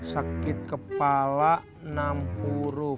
sakit kepala enam huruf